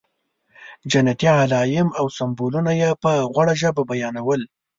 جنتي علایم او سمبولونه یې په غوړه ژبه بیانول.